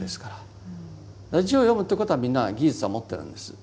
字を読むということはみんな技術を持ってるんです。